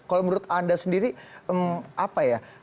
kalau menurut anda sendiri apa ya